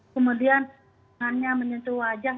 kemudian tangannya menyentuh wajah